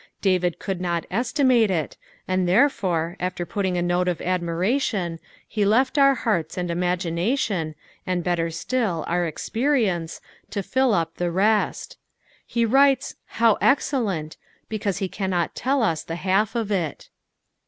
David could net eatimata ir, and therefore, after putting a note of admiration, he left our hearts and imagination, and, better still, our experience, to fill up the rest He writes hoa ereellent! because he cannot tell us the half of it.